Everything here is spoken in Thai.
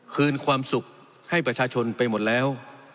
คืนความสุขให้ประชาชนไปหมดแล้ว